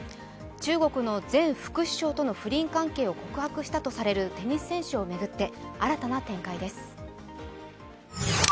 中国の前副首相との不倫関係を告白したとされるテニス選手を巡って新たな展開です。